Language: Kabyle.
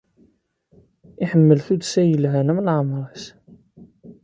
Iḥemmel tuddsa yelhan am leɛmer-is.